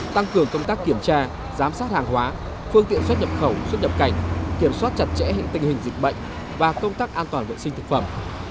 tăng cường công tác kiểm tra giám sát hàng hóa phương tiện xuất nhập khẩu xuất nhập cảnh kiểm soát chặt chẽ những tình hình dịch bệnh và công tác an toàn vệ sinh thực phẩm